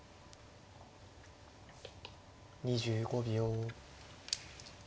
２５秒。